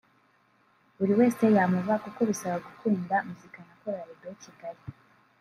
Buri wese yamuba kuko bisaba gukunda muzika na Chorale de Kigali